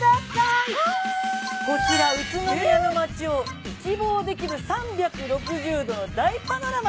こちら宇都宮の街を一望できる３６０度の大パノラマ。